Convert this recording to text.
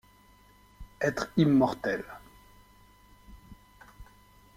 Être immortel.